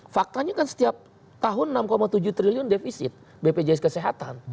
faktanya kan setiap tahun enam tujuh triliun defisit bpjs kesehatan